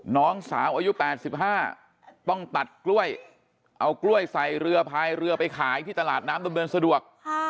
น้องสาวอายุ๘๕ต้องตัดกล้วยเอากล้วยใส่เรือพายเรือไปขายที่ตลาดน้ำดำเนินสะดวก